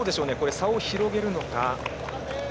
差を広げるのか。